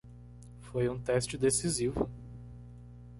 Foi um teste decisivo.